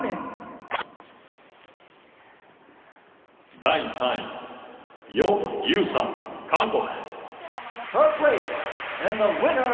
第３位、ヨン・ユさん、韓国。